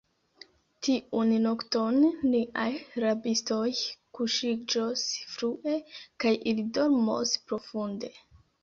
Tiun nokton, niaj rabistoj kuŝiĝos frue, kaj ili dormos profunde.